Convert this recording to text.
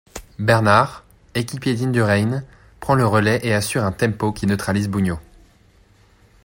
Bernard, équipier d'Indurain, prend le relais et assure un tempo qui neutralise Bugno.